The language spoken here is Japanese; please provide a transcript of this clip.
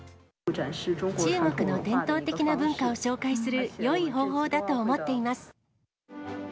中国の伝統的な文化を紹介する、よい方法だと思っています。